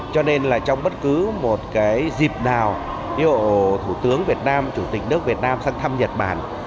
cho nên là trong bất cứ một cái dịp nào ví dụ thủ tướng việt nam chủ tịch nước việt nam sang thăm nhật bản